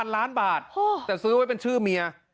ล้านบาทแต่ซื้อไว้เป็นชื่อเมีย